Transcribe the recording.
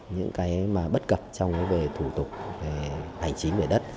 những cái mà bất cập trong cái về thủ tục hành trí về đất